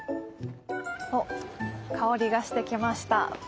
おっ香りがしてきました。